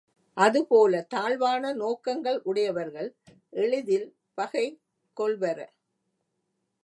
அதுபோல தாழ்வான நோக்கங்கள் உடையவர்கள் எளிதில் பகை கொள்வர.